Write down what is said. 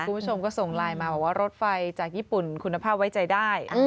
คุณผู้ชมก็ส่งไลน์มาบอกว่ารถไฟจากญี่ปุ่นคุณภาพไว้ใจได้